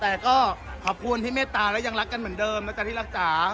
แต่ก็ขอบคุณที่เมตตาและยังรักกันเหมือนเดิมนะจ๊ที่รักจ๋า